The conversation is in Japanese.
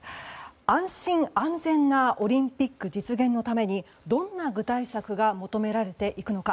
安心・安全なオリンピック実現のためにどんな具体策が求められていくのか。